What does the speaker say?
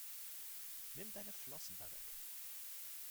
Nimm deine Flossen da weg!